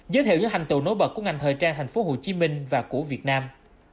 giới thiệu những hành tựu nối bật của ngành thời trang thành phố hồ chí minh và của việt nam